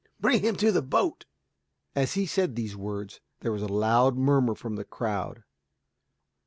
Bring him to the boat." As he said these words, there was a loud murmur from the crowd.